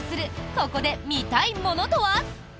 ここで見たいものとは。